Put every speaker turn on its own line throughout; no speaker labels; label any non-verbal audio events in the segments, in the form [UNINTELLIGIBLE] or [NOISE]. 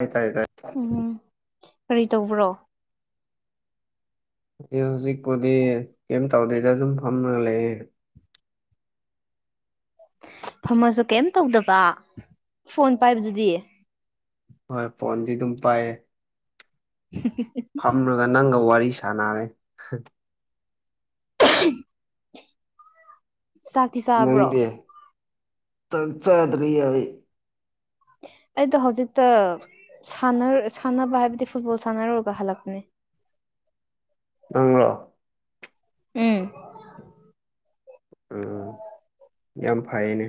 ꯑꯩ ꯇꯥꯏ ꯇꯥꯏ
ꯎꯝ ꯀꯔꯤ ꯇꯧꯕ꯭ꯔꯣ
ꯑꯩ ꯍꯧꯖꯤꯛꯄꯨꯗꯤ ꯀꯩꯝ ꯇꯧꯗꯦꯗ ꯑꯗꯨꯝ ꯐꯝꯔꯒ ꯂꯩꯌꯦ
ꯐꯝꯃꯁꯨ ꯀꯩꯝ ꯇꯧꯗꯕ ꯐꯣꯟ ꯄꯥꯏꯕꯗꯨꯗꯤ
ꯍꯣꯏ ꯐꯣꯟꯗꯤ ꯑꯗꯨꯝ ꯄꯥꯏꯌꯦ
[UNINTELLIGIBLE]
ꯐꯝꯔꯒ ꯅꯪꯒ ꯋꯥꯔꯤ ꯁꯥꯟꯅꯔꯦ
[UNINTELLIGIBLE] ꯆꯥꯛꯇꯤ ꯆꯥꯕ꯭ꯔꯣ
ꯅꯪꯗꯤ ꯆꯥꯛꯆꯗ꯭ꯔꯤ ꯍꯥꯏ
ꯑꯩꯗꯣ ꯍꯧꯖꯤꯛꯇ ꯁꯟꯅ ꯁꯥꯟꯅꯕ ꯍꯥꯏꯕꯗꯤ ꯐꯨꯠꯕꯣꯜ ꯁꯥꯟꯅꯔꯨꯔꯒ ꯍꯜꯂꯛꯄꯅꯦ
ꯅꯪꯔꯣ
ꯎꯝ
ꯎꯝ ꯌꯥꯝ ꯐꯩꯌꯦꯅꯦ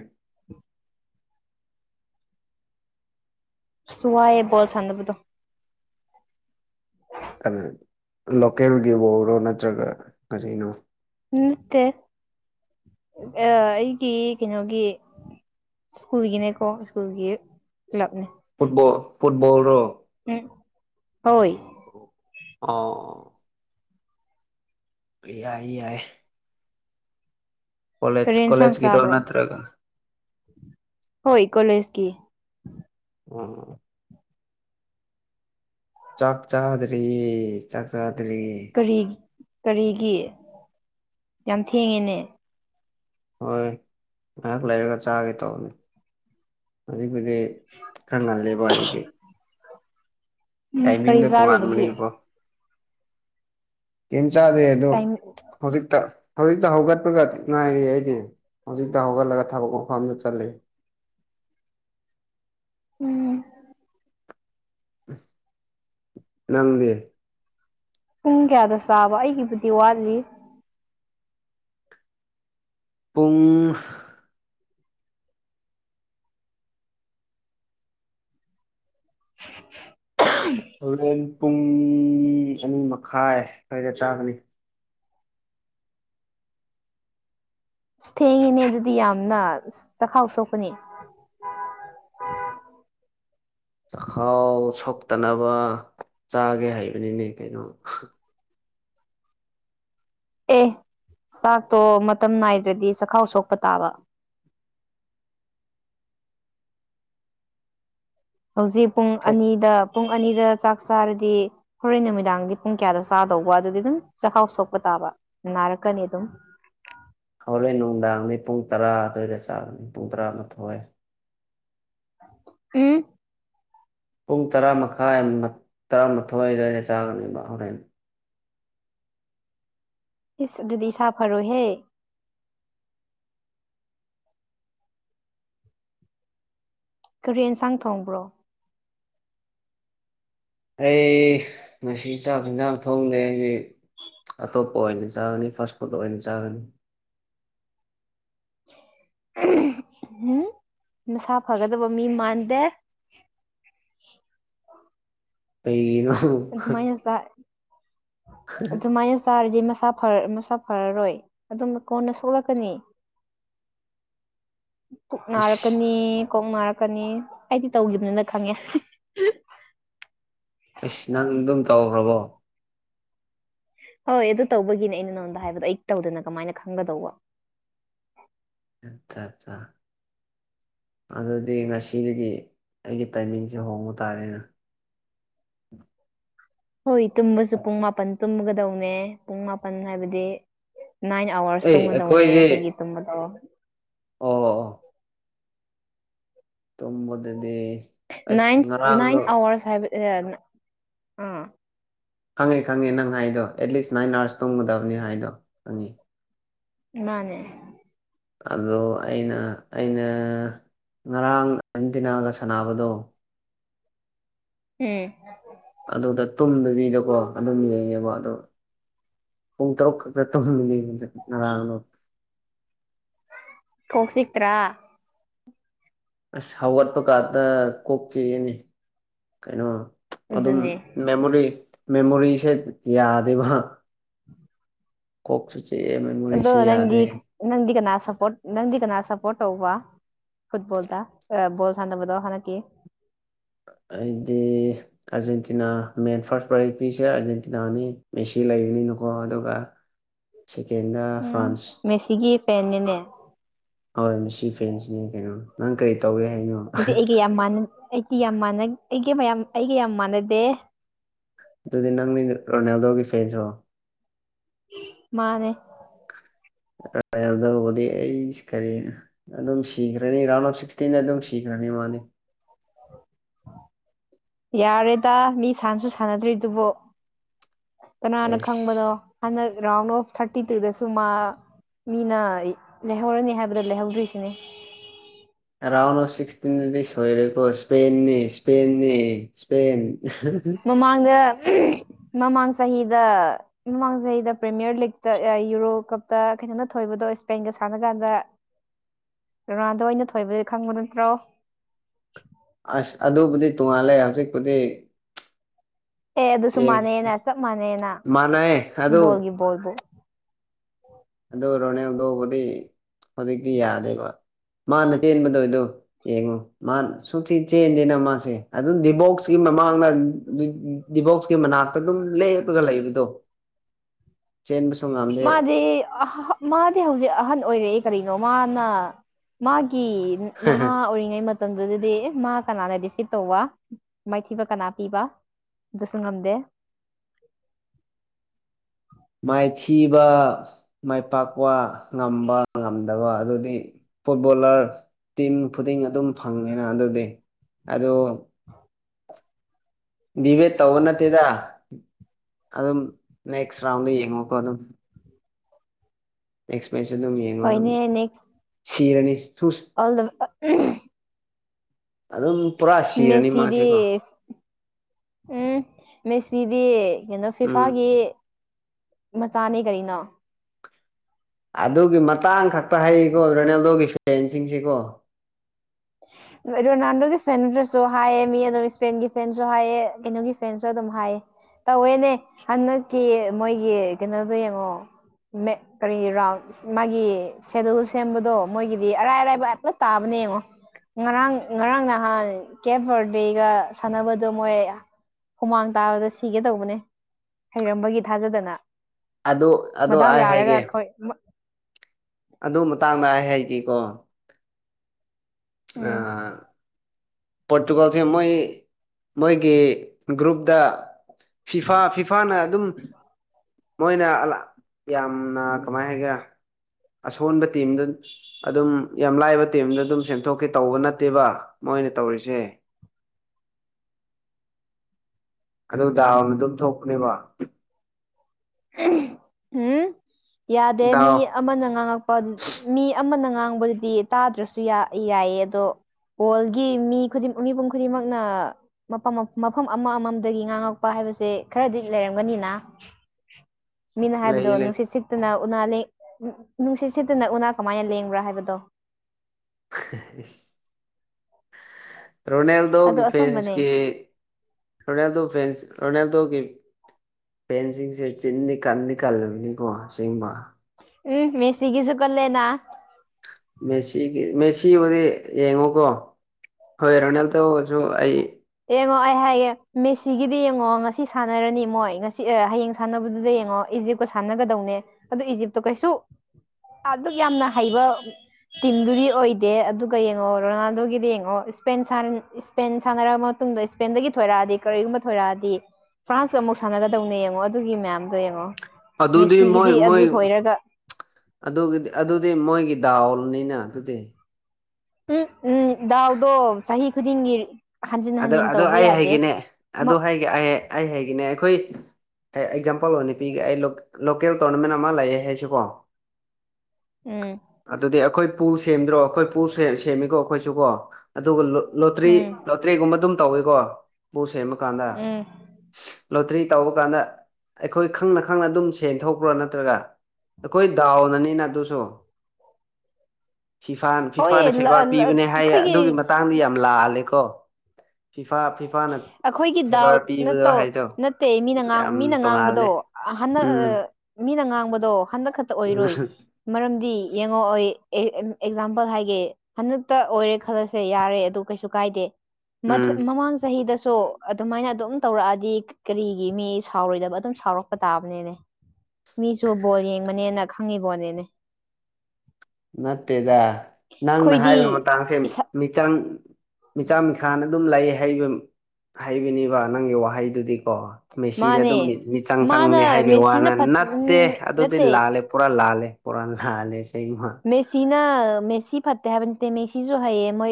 ꯋꯥꯏꯌꯦ ꯕꯣꯜ ꯁꯥꯟꯅꯕꯗꯣ
[UNINTELLIGIBLE] ꯂꯣꯀꯦꯜꯒꯤ ꯕꯣꯜꯔꯣ ꯅꯠꯇ꯭ꯔꯒ ꯀꯔꯤꯅꯣ
ꯅꯇꯦ ꯑ ꯑꯩꯒꯤ ꯀꯩꯅꯣꯒꯤ ꯁ꯭ꯀꯨꯜꯒꯤꯅꯦꯀꯣ ꯁ꯭ꯀꯨꯜꯒꯤ ꯀꯂꯞꯅꯦ
ꯐꯨꯠꯕꯣꯜ ꯐꯨꯠꯕꯣꯜꯔꯣ
ꯎꯝ ꯍꯣꯏ
ꯑ ꯌꯥꯏ ꯌꯥꯏ ꯀꯣꯂꯦꯖ
ꯀꯔꯤ ꯌꯦꯟꯁꯥꯡ
ꯀꯣꯂꯦꯖ ꯒꯤ ꯔꯣ
ꯆꯥꯕ꯭ꯔꯣ
ꯅꯠꯇ꯭ꯔꯒ
ꯍꯣꯏ ꯀꯣꯂꯦꯖꯀꯤ
[UNINTELLIGIBLE] ꯆꯥꯛ ꯆꯥꯗꯔꯦ ꯆꯥꯛ ꯆꯥꯗꯔꯤ
ꯀꯔꯤ ꯀꯔꯤꯒꯤ ꯌꯥꯝ ꯊꯦꯡꯉꯦꯅꯦ
ꯍꯣꯏ ꯉꯥꯏꯍꯥꯛ ꯂꯩꯔꯒ ꯆꯥꯒꯦ ꯇꯧꯅꯤ ꯍꯧꯖꯤꯛ ꯄꯨꯗꯤ ꯈꯔ ꯉꯜꯂꯦꯕ ꯑꯩꯗꯤ
ꯎꯝ ꯀꯔꯤ
ꯇꯥꯏꯃꯤꯡꯗꯣ
ꯆꯥꯔꯨꯕꯒꯤ
ꯇꯣꯉꯥꯟꯕꯅꯤꯅꯀꯣ ꯀꯩꯝ ꯆꯥꯗꯦ ꯑꯗꯣ
ꯇꯥꯏꯃꯤꯡ
ꯍꯧꯖꯤꯛꯇ ꯍꯧꯖꯤꯛꯇ ꯍꯧꯒꯠꯄꯒ ꯉꯥꯏꯔꯤ ꯑꯩꯗꯤ ꯍꯧꯖꯤꯛꯇ ꯍꯧꯒꯠꯂꯒ ꯊꯕꯛ ꯃꯐꯝꯗ ꯆꯠꯂꯤ
ꯎꯝ
ꯅꯪꯗꯤ
ꯄꯨꯡ ꯀꯌꯥꯗ ꯆꯥꯕ ꯑꯩꯒꯤꯕꯨꯗꯤ ꯋꯥꯠꯂꯤ
ꯄꯨꯡ ꯍꯣꯔꯦꯟ ꯄꯨꯡ ꯑꯅꯤ ꯃꯈꯥꯏ ꯁꯥꯏꯗ ꯆꯥꯒꯅꯤ
ꯑꯁ ꯊꯦꯡꯉꯤꯅꯦ ꯑꯗꯨꯗꯤ ꯌꯥꯝꯅ ꯆꯈꯥꯎ ꯁꯣꯛꯄꯅꯤ
ꯆꯈꯥꯎ ꯁꯣꯛꯇꯅꯕ ꯆꯥꯒꯦ ꯍꯥꯏꯕꯅꯤꯅꯦ ꯀꯩꯅꯣ
ꯑꯦ ꯆꯥꯛꯇꯣ ꯃꯇꯝ ꯅꯥꯏꯗ꯭ꯔꯗꯤ ꯆꯈꯥꯎ ꯁꯣꯛꯄ ꯇꯥꯕ ꯍꯧꯖꯤꯛ ꯄꯨꯡ
ꯁꯣꯛ
ꯑꯅꯤꯗ ꯄꯨꯡ ꯑꯅꯤꯗ ꯆꯥꯛ ꯆꯥꯔꯗꯤ ꯍꯣꯔꯦꯟ ꯅꯨꯃꯤꯗꯥꯡꯗꯤ ꯄꯨꯡ ꯀꯌꯥꯗ ꯆꯥꯗꯧꯕ ꯑꯗꯨꯗꯤ ꯑꯗꯨꯝ ꯆꯥꯛꯈꯥꯎ ꯁꯣꯛꯄ ꯇꯥꯕ ꯅꯥꯔꯛꯀꯅꯤ ꯑꯗꯨꯝ
ꯍꯧꯔꯦꯟ ꯅꯨꯡꯗꯥꯡꯗꯤ ꯄꯨꯡ ꯇꯔꯥ ꯑꯗꯨꯋꯥꯏꯗ ꯆꯥꯒꯅꯤ ꯄꯨꯡ ꯇꯔꯥꯃꯊꯣꯏ
ꯎꯝ
ꯄꯨꯡ ꯇꯔꯥ ꯃꯈꯥꯏ ꯃ ꯇꯔꯥꯃꯥꯊꯣꯏ ꯑꯗꯨꯋꯥꯏꯗ ꯆꯥꯒꯅꯦꯕ ꯍꯧꯔꯦꯟ
ꯏꯁ ꯑꯗꯨꯗꯤ ꯏꯁꯥ ꯐꯔꯣꯏꯍꯦ ꯀꯔꯤ ꯏꯟꯁꯥꯡ ꯊꯣꯡꯕ꯭ꯔꯣ
ꯑꯩ ꯉꯁꯤ ꯆꯥꯛ ꯏꯤꯟꯖꯥꯡ ꯊꯣꯡꯗꯦ ꯑꯩꯗꯤ ꯑꯇꯣꯞꯄ ꯑꯣꯏꯅ ꯆꯥꯒꯅꯤ ꯐꯥꯁ ꯐꯨꯗ ꯑꯣꯏꯅ ꯆꯥꯒꯅꯤ
ꯎꯝ ꯃꯁꯥ ꯐꯒꯗꯕ ꯃꯤ ꯃꯥꯟꯗꯦ
ꯑꯩꯩ
ꯑꯗꯨꯃꯥꯏꯁ ꯑꯗꯨꯃꯥꯏ ꯆꯥꯔꯗꯤ ꯃꯁꯥ ꯃꯁꯥ ꯐꯔꯔꯣꯏ ꯑꯗꯨꯝ ꯀꯣꯟꯅ ꯁꯣꯛꯂꯛꯀꯅꯤ
[UNINTELLIGIBLE]
ꯀꯣꯛ
ꯑꯁ
ꯅꯥꯔꯛꯀꯅꯤ ꯀꯣꯛ ꯅꯥꯔꯛꯀꯅꯤ ꯑꯩꯗꯤ ꯇꯧꯈꯤꯕꯅꯤꯅ ꯈꯪꯉꯦ
ꯑꯩꯁꯤ ꯅꯪ ꯑꯗꯨꯝ ꯇꯧꯈ꯭ꯔꯕꯣ
ꯍꯣꯏ ꯑꯗꯨ ꯇꯧꯕꯒꯤꯅꯦ ꯑꯩꯅ ꯅꯉꯣꯟꯗ ꯍꯥꯏꯕꯗꯣ ꯑꯩ ꯇꯧꯗꯅ ꯀꯃꯥꯏꯅ ꯈꯪꯒꯗꯧꯕ
ꯑꯆꯥ ꯑꯠꯆꯥ ꯑꯗꯨꯗꯤ ꯉꯁꯤꯗꯤ ꯑꯩꯒꯤ ꯇꯥꯏꯃꯤꯡꯁꯦ ꯍꯣꯡꯕ ꯇꯥꯔꯦꯅ
ꯍꯣꯏ ꯇꯨꯝꯕꯁꯨ ꯄꯨꯡ ꯃꯥꯄꯜ ꯇꯨꯝꯒꯗꯧꯅꯦ ꯄꯨꯡ ꯃꯥꯄꯜ ꯍꯥꯏꯕꯗꯤ ꯅꯥꯏꯟ ꯑꯋꯥꯔꯁ
ꯑꯦ
ꯇꯨꯝꯕꯗꯧꯅꯦ
ꯑꯩꯈꯣꯏꯗꯤ
ꯑꯩꯈꯣꯏꯒꯤ ꯇꯨꯝꯕꯗꯣ
ꯑꯣ ꯇꯝꯕꯗꯗꯤ
ꯅꯥꯏꯟ ꯅꯥꯏꯟ ꯑꯋꯥꯔꯁ ꯍꯥꯏꯕ ꯑꯥ
ꯈꯪꯉꯦ ꯈꯪꯉꯦ ꯅꯪ ꯍꯥꯏꯗꯣ ꯑꯦꯠꯂꯤꯁ ꯅꯥꯏꯟ ꯑꯥꯔꯁ ꯇꯣꯡꯒꯗꯕꯅꯤ ꯍꯥꯏꯗꯣ ꯈꯪꯉꯦ
ꯃꯥꯅꯦ
ꯑꯗꯣ ꯑꯩꯅ ꯑꯩꯅ ꯉꯔꯥꯡ ꯑꯥꯔꯖꯦꯟꯇꯤꯅꯥꯒ ꯁꯥꯟꯅꯕꯗꯣ
ꯎꯝ
ꯑꯗꯨꯗ ꯇꯨꯝꯗꯕꯤꯗꯀꯣ ꯑꯗꯨꯝ ꯌꯦꯡꯉꯦꯕ ꯑꯗꯨ ꯄꯨꯡ ꯇꯣꯛ ꯇꯣ
ꯍꯁꯤꯛꯇꯔꯥ
ꯑꯁ ꯍꯧꯒꯠꯄ ꯀꯥꯟꯗ ꯀꯣꯛ ꯆꯦꯅꯤ ꯀꯩꯅꯣ ꯑꯗꯨꯝ
ꯑꯗꯨꯅꯦ
ꯃꯦꯃꯣꯔꯤ ꯃꯦꯃꯣꯔꯤꯁꯦꯠ ꯌꯥꯗꯕ
ꯎ
ꯀꯣꯛꯁꯨꯁꯦ ꯃꯦꯃꯣꯔꯤꯁꯨ
ꯅꯪꯗꯤ
ꯌꯥꯗꯦ
ꯅꯪꯗꯤ ꯀꯅꯥ ꯁꯞꯄꯣꯔꯠ ꯅꯪꯗꯤ ꯀꯅꯥ ꯁꯞꯄꯣꯔꯠ ꯇꯧꯕ ꯈꯨꯠꯕꯣꯜꯗ ꯣꯜ ꯁꯥꯟꯣ ꯕꯗꯥꯑꯣ ꯍꯅ ꯀ
ꯍꯥꯏꯗꯤ ꯑꯥꯔꯖꯦꯟꯇꯤꯅꯥ ꯃꯦꯟ ꯐꯥꯔꯁ ꯄ꯭ꯔꯥꯏꯌꯣꯔꯤꯇꯤꯁꯦ ꯑꯥꯔꯖꯦꯟꯇꯤꯅꯥꯅꯤ ꯃꯦꯁꯤ ꯂꯩꯕꯅꯤꯅꯀꯣ ꯑꯗꯨꯒ [UNINTELLIGIBLE] ꯁꯤꯀꯦꯟꯗ
ꯎꯝ ꯃꯦꯁꯤꯒꯤ ꯐꯦꯟꯅꯅꯤꯅꯦ
ꯍꯣꯏ ꯃꯁꯤ ꯐꯦꯟꯁꯤꯅꯦ ꯀꯩꯅꯣ ꯅꯪ ꯀꯔꯤ ꯇꯧꯒꯦ ꯍꯥꯏꯅꯣ
ꯃ ꯌꯥꯝ ꯃꯅ ꯑꯩꯒ ꯃꯌꯥꯝ ꯑꯩꯒ ꯌꯥꯝ ꯃꯥꯟꯅꯗꯦ
ꯑꯗꯨꯗꯤ ꯅꯪꯗꯤ ꯔꯣꯅꯥꯜꯗꯣꯒꯤ ꯐꯦꯖ꯭ꯔꯣ
ꯃꯥꯅꯦ
ꯔꯗꯕꯨꯗꯤ ꯑꯩ ꯀꯔꯤꯅ ꯑꯗꯨꯝ ꯁꯤꯈ꯭ꯔꯅꯤ ꯔꯥꯎꯟ ꯑꯣꯐ ꯁꯤꯛꯁꯇꯤꯟ ꯑꯗꯨꯝ ꯁꯤꯈ꯭ꯔꯅꯤ ꯃꯥꯅꯤ
ꯌꯥꯔꯦꯗ ꯃꯤ ꯁꯥꯟꯅꯁꯨ ꯁꯥꯟꯅꯗ꯭ꯔꯤꯗꯨꯕꯨꯣ ꯀꯅꯥꯅ ꯈꯪꯕꯅꯣ
ꯑꯩꯁ
ꯍꯟꯗꯛ ꯔꯥꯎꯟ ꯑꯣꯐ ꯊꯥꯔꯇꯤꯗꯨꯨꯗꯁꯨ ꯃꯥ ꯃꯤꯅ ꯂꯩꯍꯧꯔꯅꯤ ꯍꯥꯏꯕꯗ ꯂꯩꯍꯧꯗ꯭ꯔꯤꯁꯤꯅꯦ
ꯔꯥꯎꯟ ꯑꯣꯐ ꯁꯤꯁꯇꯤꯟꯗꯤ ꯁ ꯍꯥꯏꯔꯦꯀꯣ ꯁꯄꯦꯟꯅꯤ ꯏꯁꯄꯦꯟ ꯅ ꯁꯄꯦꯟ
ꯃꯃꯥꯡꯗ ꯃꯃꯥꯡ ꯆꯍꯤꯗ ꯃꯃꯥꯡꯖꯦꯩꯗ ꯄ꯭ꯔꯤꯃꯤꯌꯔ ꯂꯤꯛꯇ ꯌꯨꯔꯣ ꯀꯞꯇ ꯀꯩꯅꯣꯅ ꯊꯣꯏꯕꯗꯣ ꯏꯁꯄꯦꯟꯒ ꯁꯥꯟꯅ ꯀꯥꯟꯗ
[INAUDIBLE]
ꯔꯥꯗꯣ ꯑ ꯑꯣꯏꯅ ꯊꯣꯏꯕꯗꯤ ꯈꯪꯕ ꯅꯠꯇ꯭ꯔꯣ
ꯑꯁ ꯑꯗꯨꯕꯨꯗꯤ ꯇꯣꯉꯥꯜꯂꯦ ꯍꯧꯖꯤꯛꯄꯨꯗꯤ
ꯑꯦ ꯑꯗꯨꯁꯨ
ꯌꯦꯡ
ꯃꯥꯟꯅꯩꯅ ꯆꯞ ꯃꯥꯟꯅꯩꯅ
ꯃꯥꯟꯅꯩ ꯑꯗꯨ
ꯕꯣꯜꯒꯤ ꯕꯣꯜꯕꯨ
ꯑꯗꯨ ꯔꯣꯅꯦꯜꯗꯣꯕꯨꯗꯤ ꯍꯧꯖꯤꯛꯇꯤ ꯌꯥꯗꯦꯕ ꯃꯥꯅ ꯆꯦꯟꯕꯗꯧꯗꯣ ꯌꯦꯡꯉꯣ ꯃꯥ ꯁꯨꯊꯤ ꯆꯦꯟꯗꯦꯅ ꯃꯥꯁꯦ ꯑꯗꯨꯝ ꯗꯤꯕꯣꯛꯁꯀꯤ ꯃꯃꯥꯡꯗ ꯗꯤꯕꯣꯛꯁꯀꯤ ꯃꯅꯥꯛꯇ ꯑꯗꯨꯝ ꯂꯦꯞꯄꯒ ꯂꯩꯕꯗꯣ ꯆꯦꯟꯕ
ꯃꯥꯗꯤ ꯑ ꯃꯥꯗꯤ ꯍꯧꯖꯤꯛ ꯑꯍꯟ ꯑꯣꯏꯔꯛꯏ ꯀꯔꯤꯅꯣ ꯃꯥꯅ ꯃꯥꯒꯤ ꯅꯍꯥ ꯑꯣꯏꯔꯤꯉꯩ ꯃꯇꯝꯗꯨꯗꯗꯤ ꯃꯥ ꯀꯅꯥꯅꯗꯤ ꯐꯤꯠ ꯇꯧꯕ ꯃꯥꯏꯊꯤꯕ ꯀꯅꯥ ꯄꯤꯕ ꯁ ꯉꯝꯗꯦ
ꯃꯥꯏꯊꯤꯕ ꯃꯥꯏ ꯄꯥꯛꯄ ꯉꯝꯕ ꯉꯝꯗꯕ ꯑꯗꯨꯗꯤ ꯐꯨꯠꯕꯣꯂꯔ ꯇꯤꯝ ꯈꯨꯗꯤꯡ ꯑꯗꯨꯝ ꯐꯪꯉꯦꯅ ꯑꯗꯨꯗꯤ ꯑꯣ ꯗꯤꯕꯦꯠ ꯇꯧꯕ ꯅꯠꯇꯦꯗ ꯑꯗꯨꯝ ꯅꯦꯛꯁ ꯔꯥꯎꯟꯗ ꯌꯦꯡꯉꯣꯀꯣ ꯑꯗꯨꯝ ꯑꯦꯦꯛꯁ ꯃꯦꯁꯇ ꯑꯗꯨꯝ ꯌꯦꯡꯉꯣ ꯑꯗꯨꯝ
ꯍꯣꯏꯅꯦ
ꯁꯤꯔꯅꯤ
ꯑꯜꯗ
ꯑꯗꯨꯝ ꯄꯨꯔꯥ ꯁꯤꯔꯅꯤ
ꯃꯦꯁꯤꯗꯤ
ꯃꯥꯁꯦꯀꯣ
ꯎꯝ ꯃꯦꯁꯤꯗꯤ ꯀꯩꯅꯣ
ꯎꯝ
ꯐꯤꯐꯥꯒꯤ ꯃꯆꯥꯅꯦ ꯀꯔꯤꯅꯣ
ꯑꯗꯨꯒꯤ ꯃꯇꯥꯡ ꯈꯛꯇ ꯍꯥꯏꯌꯦꯀꯣ ꯔꯣꯅꯥꯜꯗꯣꯒꯤ ꯐꯦꯟꯁꯤꯡꯁꯤꯀꯣ
ꯔꯣꯅꯥꯜꯗꯣꯒꯤ ꯐꯦꯟꯗꯨꯁꯨ ꯍꯥꯏꯑ ꯃꯤ ꯑꯗꯨꯝ ꯏꯁꯄꯦꯟꯒꯤ ꯐꯦꯟꯁꯨ ꯍꯥꯏꯑ ꯀꯩꯅꯣꯒꯤ ꯐꯦꯟꯁꯨ ꯑꯗꯨꯝ ꯍꯥꯏꯌꯦ ꯇꯧꯋꯦꯅꯦ ꯍꯟꯗꯛꯀꯤ ꯃꯣꯏꯒꯤ ꯀꯩꯅꯣꯗꯣ ꯌꯦꯡꯉꯣ ꯃꯦ ꯀꯔꯤꯔꯥꯎ ꯃꯥꯒꯤ ꯁꯦꯗꯨꯜ ꯁꯦꯝꯕꯗꯣ ꯃꯣꯏꯒꯤꯗꯤ ꯑꯔꯥꯏ ꯑꯔꯥꯏꯕ ꯄꯨꯂꯞ ꯇꯥꯕꯅꯦ ꯌꯦꯡꯉꯣ ꯉꯔꯥꯡ ꯉꯔꯥꯡ ꯅꯍꯥꯟ ꯀꯦꯞ ꯕꯔꯗꯦꯒ ꯁꯥꯟꯅꯕꯗꯣ ꯃꯣꯏ ꯍꯨꯃꯥꯡ ꯇꯥꯕꯗ ꯁꯤꯒꯦ ꯇꯧꯕꯅꯦ ꯍꯩꯔꯝꯕꯒꯤ ꯊꯥꯖꯗꯅ
ꯑꯗꯨ ꯑꯗꯣ
ꯃꯗꯥꯎ
ꯑꯩ
ꯌꯥꯔꯒ
ꯍꯥꯏꯒꯦ
ꯑꯩꯈꯣꯏ
ꯑꯗꯨ ꯃꯇꯥꯡꯗ ꯑꯩ ꯍꯥꯏꯒꯦꯀꯣ
ꯎꯝ
ꯑ ꯄꯣꯔꯇꯨꯀꯜꯁꯦ ꯃꯣꯏ ꯃꯣꯏꯒꯤ ꯒ꯭ꯔꯨꯞꯇ ꯐꯤꯐꯥ ꯐꯤꯐꯥꯅ ꯑꯗꯨꯝ ꯃꯣꯏꯅ ꯌꯥꯝꯅ ꯀꯃꯥꯏꯅ ꯍꯥꯏꯒꯦꯔꯥ ꯑꯁꯣꯟꯕ ꯇꯤꯝꯗ ꯑꯗꯨꯝ ꯌꯥꯝ ꯂꯥꯏꯕ ꯇꯤꯦꯝꯗ ꯑꯗꯨꯝ ꯁꯦꯝꯗꯣꯛꯈꯤ ꯇꯧꯕ ꯅꯠꯇꯦꯕ ꯃꯣꯏꯅ ꯇꯧꯔꯤꯁꯦ ꯑꯗꯨ ꯗꯥꯅ ꯑꯗꯨꯝ ꯊꯣꯛꯄꯅꯦꯕ
ꯎꯝ ꯌꯥꯗꯦ
ꯗꯥꯎ
ꯃꯤ ꯑꯃꯅ ꯉꯥꯡꯉꯛꯄ ꯃꯤ ꯑꯃꯅ ꯉꯥꯡꯕꯗꯨꯗꯤ ꯇꯥꯗ꯭ꯔꯁꯨ ꯌꯥꯏꯌꯦ ꯑꯗꯣ ꯋꯥꯔꯜꯒꯤ ꯃꯤ ꯈꯨꯗꯤꯡ ꯃꯤꯄꯨꯝ ꯈꯨꯗꯤꯡꯃꯛꯅ ꯐꯝ ꯃꯐꯝ ꯑꯃ ꯑꯃꯝꯗꯒꯤ ꯉꯥꯡꯉꯛꯄ ꯍꯥꯏꯕꯁꯦ ꯈꯔꯗꯤ ꯂꯩꯔꯝꯒꯅꯤꯅ ꯃꯤꯅ ꯍꯥꯏꯕꯗꯣ
ꯂꯩꯌꯦ ꯂꯩ
ꯅꯨꯡꯁꯤꯠ ꯁꯤꯠ ꯠꯇꯅ ꯎꯅꯥ ꯎ ꯅꯨꯡꯁꯤꯠ ꯁꯤꯠꯇꯅ ꯎꯅꯥ ꯀꯃꯥꯏꯅ ꯂꯦꯡꯕ꯭ꯔꯥ ꯍꯥꯏꯕꯗꯣ
[INAUDIBLE]
ꯑꯗꯣ
ꯔꯣꯅꯦꯜꯗꯣꯒꯤ
ꯑꯆꯨꯝꯕꯅꯦ
ꯐꯦꯟꯁꯀꯤ ꯔꯣꯅꯦꯜꯗꯣ ꯐꯦꯟꯁ ꯔꯣꯅꯦꯜꯗꯣꯒꯤ ꯄꯦꯟꯁꯤꯡꯁꯦ ꯆꯤꯅꯤ ꯀꯟꯅꯤ ꯀꯜꯂꯕꯅꯤꯀꯣ ꯁꯤꯒꯤꯡꯕ
ꯎꯝ ꯃꯦ ꯁꯤꯒꯤꯁꯨ ꯀꯜꯂꯦꯅꯥ
ꯃꯦꯁꯤꯒꯤ ꯃꯦꯁꯤꯕꯨꯗꯤ ꯌꯦꯡꯉꯨꯀꯣ ꯍꯣꯏ ꯔꯣꯅꯦꯜ ꯇ ꯑꯣꯏꯔꯁꯨ ꯑꯩ
ꯌꯦꯡꯉꯣ ꯑꯩ ꯍꯥꯏꯒꯦ ꯃꯦꯁꯤꯒꯤꯗꯤ ꯌꯦꯡꯉꯣ ꯉꯁꯤ ꯁꯥꯟꯅꯔꯅꯤ ꯃꯣꯏ ꯉꯁꯤ ꯍꯌꯦꯡ ꯁꯥꯟꯅꯕꯗꯨꯗ ꯌꯦꯡꯉꯣ ꯏꯖꯤꯞꯇꯣ ꯁꯥꯟꯅꯒꯗꯧꯅꯦ ꯑꯗꯨꯣ ꯏꯖꯤꯞꯇꯣ ꯀꯩꯁꯨ ꯑꯗꯨꯛ ꯌꯥꯝꯅ ꯍꯩꯕ ꯇꯤꯝꯗꯨꯗꯤ ꯑꯣꯏꯗꯦ ꯑꯗꯨꯒ ꯌꯦꯡꯉꯣ ꯔꯣꯅꯥꯜꯗꯣꯒꯤꯗꯤ ꯌꯦꯡꯉꯣ ꯏꯁꯄꯦꯟ ꯏꯁꯄꯦꯟ ꯁꯥꯟꯅꯔꯕ ꯃꯇꯨꯡꯗ ꯏꯁꯄꯦꯟꯗꯒꯤ ꯊꯣꯏꯔꯛꯑꯗꯤ ꯀꯔꯤꯒꯨꯝꯕ ꯊꯣꯏꯔꯛꯑꯗꯤ ꯐ꯭ꯔꯥꯟꯁꯀ ꯑꯃꯨꯛ ꯁꯥꯟꯅꯒꯗꯧꯅꯦ ꯌꯦꯡꯉꯣ ꯑꯗꯨꯒꯤ ꯃꯌꯥꯝꯗꯣ ꯌꯦꯡꯉꯣ
ꯑꯗꯨꯗꯤ ꯃꯣꯏ
ꯃꯦꯁꯤꯒꯤꯗꯤ
ꯃꯣꯏ
ꯑꯗꯨ ꯊꯣꯏꯔꯒ
ꯑꯗꯨꯒꯤ ꯑꯗꯨꯗꯤ ꯃꯣꯏꯒꯤ ꯗꯥꯎꯅꯤꯅ ꯑꯗꯨꯗꯤ
ꯎꯝ ꯎꯝ ꯗꯥꯎꯗꯣ ꯆꯍꯤ ꯈꯨꯗꯤꯡꯒꯤ ꯍꯟꯖꯤꯟ
ꯑ
ꯍꯟꯖꯤꯟ
ꯑꯗꯨ
ꯇꯧꯕ
ꯑꯩ
ꯌꯥꯗꯦ
ꯍꯥꯏꯒꯤꯅꯦ
ꯎꯝ
ꯑꯗꯨ ꯑꯩ ꯍꯥꯏꯒꯤꯅꯦ ꯑꯩꯈꯣꯏ ꯑꯩ ꯑꯦꯛꯖꯥꯝꯄꯜ ꯑꯣꯏꯅ ꯄꯤꯒꯦ ꯑꯩ ꯂꯣꯀꯦꯜ ꯇꯣꯔꯅꯥꯃꯦꯟ ꯑꯃ ꯂꯩꯑꯦ ꯍꯥꯏꯁꯤꯀꯣ
ꯎꯝ
ꯑꯗꯨꯗꯤ ꯑꯩꯈꯣꯏ ꯄꯨꯜ ꯁꯦꯝꯗ꯭ꯔꯣ ꯑꯩꯈꯣꯏ ꯄꯨꯜ ꯁꯦꯝꯃꯤꯀꯣ ꯑꯩꯈꯣꯏꯁꯨꯀꯣ ꯑꯗꯨꯒ ꯂꯣꯇ꯭ꯔꯤ
ꯎꯝ
ꯂꯣꯇ꯭ꯔꯤꯒꯨꯝꯕ ꯑꯗꯨꯝ ꯇꯧꯏꯀꯣ ꯄꯨꯜ ꯁꯦꯝꯃꯀꯥꯟꯗ
ꯎꯝ
ꯂꯣꯇ꯭ꯔꯤ ꯇꯧꯕ ꯀꯥꯟꯗ ꯑꯩꯈꯣꯏ ꯈꯪꯅ ꯈꯪꯅ ꯑꯗꯨꯝ ꯁꯦꯡ ꯊꯣꯛꯄ꯭ꯔꯥ ꯅꯠꯇ꯭ꯔꯒ ꯑꯩꯈꯣꯏ ꯗꯥꯎꯅꯅꯤꯅ ꯑꯗꯨꯁꯨ ꯐꯤꯐꯥ
ꯍꯣꯏ
ꯐꯤꯐꯥꯅ ꯐꯦꯚꯔ ꯄꯤꯕꯅꯦ ꯍꯥꯏꯌꯦ ꯑꯗꯨꯒꯤ
ꯑꯩꯈꯣꯏꯒꯤ
ꯃꯇꯥꯡꯗ ꯌꯥꯝ ꯂꯥꯜꯂꯦꯀꯣ ꯐꯤꯐꯥ ꯐꯤꯐꯥ
ꯑꯩꯈꯣꯏꯒꯤ ꯗꯥꯎꯠ ꯅꯠꯇꯦ ꯅꯠꯇꯦ ꯃꯤꯅ
ꯌꯥꯝ
ꯃꯤꯅ ꯉꯥꯡꯕꯗꯣ
ꯇꯣꯡꯉꯥꯜꯂꯦ
ꯍꯥꯟꯅ
ꯎꯝ
ꯃꯤꯅ ꯉꯥꯡꯕꯗꯣ ꯍꯟꯗꯛ ꯈꯛꯇ
ꯎꯝ
ꯑꯣꯏꯔꯣꯏ ꯃꯔꯝꯗꯤ ꯌꯦꯡꯉꯛꯑꯣꯏ ꯑꯦꯛꯖꯥꯝꯄꯜ ꯍꯥꯏꯒꯦ ꯍꯟꯗꯛꯇ ꯑꯣꯏꯔꯦ ꯈꯜꯂꯁꯦ ꯌꯥꯔꯦ ꯑꯗꯨ ꯀꯩꯁꯨ ꯀꯥꯏꯗꯦ
ꯎꯝ
ꯃꯃꯥꯡ ꯃꯃꯥꯡ ꯆꯍꯤꯗꯁꯨ ꯑꯗꯨꯃꯥꯏꯅ ꯑꯗꯨꯝ ꯇꯧꯔꯛꯑꯗꯤ ꯀꯔꯤꯒꯤ ꯃꯤ ꯁꯥꯎꯔꯣꯏꯗꯕ ꯑꯗꯨꯝ ꯁꯥꯎꯔꯛꯄ ꯇꯥꯕꯅꯤꯅꯦ ꯃꯤꯁꯨ ꯕꯣꯜ ꯌꯦꯡꯕꯅꯤꯅ ꯈꯪꯉꯤꯕꯣꯅꯤꯅꯦ
ꯅꯠꯇꯦꯗ ꯅꯪꯅ
ꯑꯩꯈꯣꯏꯗꯤ
ꯍꯥꯏꯕ ꯃꯇꯥꯡꯁꯦ ꯃꯤꯆꯪ ꯃꯤꯆꯪ ꯃꯤꯈꯥꯅ ꯑꯗꯨꯝ ꯂꯩ ꯍꯥꯏꯕꯤꯅꯤꯕ ꯅꯪꯒꯤ ꯋꯥꯍꯩꯗꯨꯗꯤꯀꯣ ꯃꯦꯁꯤꯗ
ꯃꯥꯅꯦ
ꯑꯗꯨꯝ ꯃꯤꯆꯪ
ꯃꯥꯅ
ꯆꯪꯅꯤ ꯍꯥꯏꯕꯒꯤ
ꯃꯦꯁꯤꯅ
ꯋꯥꯅ
ꯐꯠ
ꯅꯠꯇꯦ ꯑꯗꯨꯗꯤ
ꯅꯠꯇꯦ
ꯂꯥꯜꯂꯦ ꯄꯨꯔꯥ ꯂꯥꯜꯦ ꯄꯨꯔꯥ ꯂꯥꯜꯂꯦ ꯑꯁꯦꯡꯕ
ꯃꯦꯁꯤꯅ ꯃꯦꯁꯤ ꯐꯠꯇꯦ ꯍꯥꯏꯕ ꯅꯠꯇꯦ ꯃꯦꯁꯤꯁꯨ ꯍꯩꯌꯦ ꯃꯣꯏ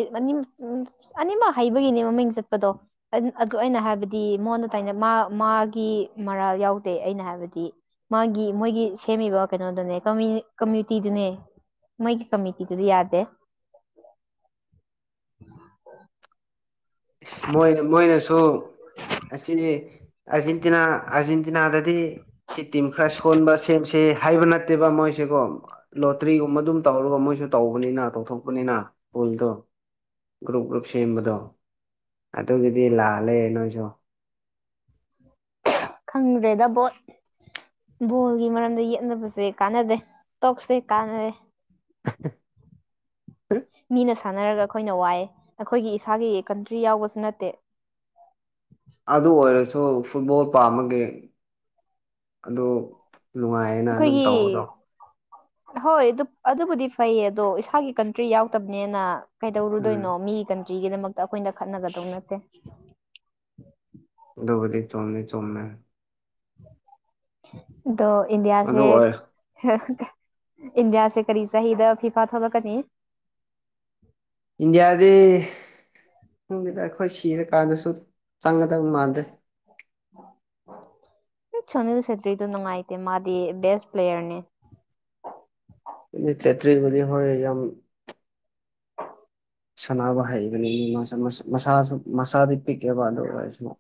ꯑꯅꯤꯃꯛ ꯍꯩꯕꯒꯤꯅꯦ ꯃꯃꯤꯡ ꯆꯠꯄꯗꯣ ꯑꯗꯨ ꯑꯩꯅ ꯍꯥꯏꯕꯗꯤ ꯃꯉꯣꯟꯗ ꯇꯥꯏꯅ ꯃꯥ ꯃꯥꯒꯤ ꯃꯔꯥꯜ ꯌꯥꯎꯗꯦ ꯑꯩꯅ ꯍꯥꯏꯕꯗꯤ ꯃꯥꯒꯤ ꯃꯣꯏꯒꯤ ꯁꯦꯝꯃꯤꯕ ꯀꯩꯅꯣꯗꯨꯅꯦꯃ ꯀꯃꯤꯅꯤꯇꯤꯗꯨꯅꯦ ꯃꯣꯏꯒꯤ ꯀꯃꯤꯇꯤꯗꯨꯗꯤ ꯌꯥꯗꯦ
ꯃꯣꯏ ꯃꯣꯏꯅꯁꯨ ꯑꯁꯤ ꯑꯥꯔꯖꯦꯟꯇꯤꯅꯥ ꯑꯥꯔꯖꯦꯟꯇꯤꯅꯥꯗ ꯁꯤ ꯇꯤꯝ ꯈꯔ ꯁꯣꯟꯕ ꯁꯦꯝꯁꯦ ꯍꯥꯏꯕ ꯅꯠꯇꯦꯕ ꯃꯣꯏꯁꯦꯀꯣ ꯂꯣꯇ꯭ꯔꯤꯒꯨꯝꯕ ꯑꯗꯨꯝ ꯇꯧꯔꯒ ꯃꯣꯏꯁꯨ ꯇꯧꯕꯅꯤꯅ ꯇꯧꯊꯣꯛꯄꯅꯤꯅ ꯄꯨꯜꯗꯣ ꯒ꯭ꯔꯨꯞ ꯒ꯭ꯔꯨꯞ ꯁꯦꯝꯕꯗꯣ ꯑꯗꯨꯒꯤꯗꯤ ꯂꯥꯜꯂꯦ ꯅꯣꯏꯁꯨ
ꯈꯪꯗ꯭ꯔꯦꯗ ꯕꫭꯠ ꯕꯣꯜꯒꯤ ꯃꯔꯝꯗ ꯌꯦꯛꯅꯕꯁꯦ ꯀꯥꯟꯅꯗꯦ ꯇꯣꯞꯁꯦ ꯀꯥꯟꯅꯗꯦ
[UNINTELLIGIBLE]
ꯃꯤꯅ ꯁꯥꯟꯅꯔꯒ ꯑꯩꯈꯣꯏꯅ ꯋꯥꯏꯑꯦ ꯑꯩꯈꯣꯏꯒꯤ ꯏꯁꯥꯒꯤ ꯀꯟꯇ꯭ꯔꯤ ꯌꯥꯎꯕꯁꯨ ꯅꯠꯇꯦ
ꯑꯗꯨ ꯑꯣꯏꯔꯁꯨ ꯐꯨꯠꯕꯣꯜ ꯄꯥꯝꯕꯒꯤ ꯑꯗꯨ ꯅꯨꯡꯉꯥꯏꯌꯦꯅ ꯑꯗꯨꯝ ꯇꯧꯕꯗꯣ
ꯑꯩꯈꯣꯏꯒꯤ ꯍꯣꯏ ꯑꯗꯨ ꯑꯗꯨꯕꯨꯗꯤ ꯐꯩꯌꯦ ꯑꯗꯣ ꯏꯁꯥꯒꯤ ꯀꯟꯇ꯭ꯔꯤ ꯌꯥꯎꯗꯕꯅꯦꯅ
ꯎꯝ
ꯀꯩꯗꯧꯔꯨꯗꯣꯏꯅꯣ ꯃꯤ ꯀꯟꯇ꯭ꯔꯤꯒꯤꯗꯃꯛꯇ ꯑꯩꯈꯣꯏꯅ ꯈꯠꯅꯒꯗꯧꯕ ꯅꯠꯇꯦ
ꯑꯗꯨꯕꯨꯗꯤ ꯆꯨꯝꯃꯃꯤ ꯆꯨꯝꯃꯤ
ꯑꯗꯣ
ꯑꯗꯨ
ꯏꯟꯗꯤꯌꯥꯁꯦ
ꯑꯣꯏꯔ
ꯏꯟꯗꯤꯌꯥꯁꯦ ꯀꯔꯤ ꯆꯍꯤꯗ ꯐꯤꯐꯥ ꯊꯣꯛꯂꯛꯀꯅꯤ
ꯏꯟꯗꯤꯌꯥꯗꯤ ꯈꯨꯡꯗꯨꯗ ꯑꯩꯈꯣꯏ ꯁꯤꯔꯀꯥꯟꯗꯁꯨ ꯆꯪꯒꯗꯕ ꯃꯥꯟꯗꯦ [INAUDIBLE]
ꯁꯣꯅꯤꯜ ꯁꯦꯇ꯭ꯔꯤꯗꯨꯣ ꯅꯨꯡꯉꯥꯏꯇꯦ ꯃꯥꯗꯤ ꯕꯦꯁ ꯄ꯭ꯂꯦꯌꯔꯅꯦ
ꯆꯩꯇ꯭ꯔꯤ ꯋꯥꯔꯤ ꯍꯣꯏ ꯌꯥꯝ ꯁꯥꯟꯅꯕ ꯍꯩꯕꯅꯤ ꯃꯤ ꯃꯥꯁ ꯃꯁꯥꯁꯨ ꯃꯁꯥꯗꯤ ꯄꯤꯛꯑꯦꯕ ꯑꯗꯨ ꯑꯣꯏꯔꯁꯃ